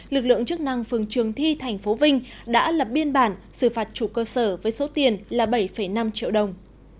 lực lượng chức năng phường trường thi tp vinh đã lập biên bản xử phạt chủ cơ sở với số tiền là bảy năm triệu đồng